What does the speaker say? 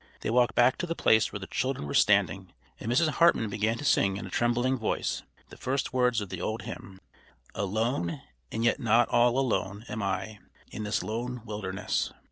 They walked back to the place where the children were standing, and Mrs. Hartman began to sing in a trembling voice the first words of the old hymn: "Alone, and yet not all alone, am I In this lone wilderness."